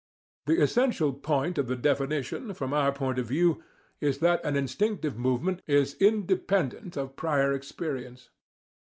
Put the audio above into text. The essential point of the definition, from our point of view, is that an instinctive movement is in dependent of prior experience.